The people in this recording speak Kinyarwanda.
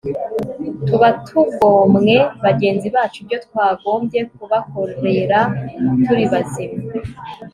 tuba tugomwe bagenzi bacu ibyo twagombye kubakorera turi bazima